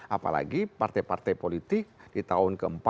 apalagi partai partai politik di tahun ke empat